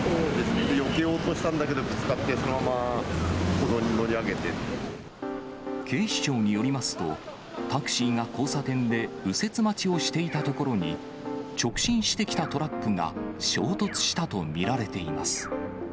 よけようとしたんだけど、ぶつかってそのまま歩道に乗り上警視庁によりますと、タクシーが交差点で右折待ちをしていたところに、直進してきたトラックが衝突したと見られています。